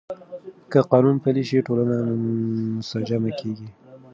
که قانون پلی شي، ټولنه منسجمه کېږي.